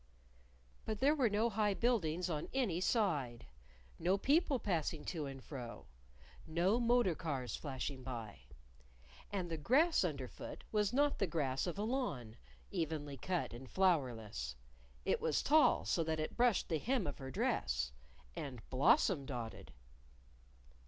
_ But there were no high buildings on any side, no people passing to and fro, no motor cars flashing by. And the grass underfoot was not the grass of a lawn, evenly cut and flowerless; it was tall, so that it brushed the hem of her dress, and blossom dotted.